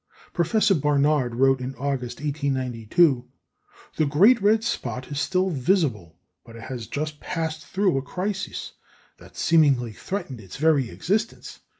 Professor Barnard wrote in August, 1892: "The great red spot is still visible, but it has just passed through a crisis that seemingly threatened its very existence.